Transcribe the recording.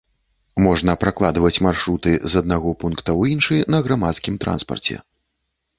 Можна пракладваць маршруты з аднаго пункта ў іншы на грамадскім транспарце.